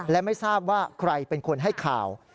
และไม่ทราบว่าใครเป็นคนให้ข่าว